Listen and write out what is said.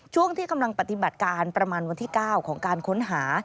ช่วงที่กำลังปฏิบัติการประมาณวันที่๙ของการค้นหา